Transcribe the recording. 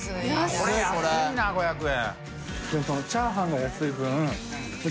これ安いな５００円。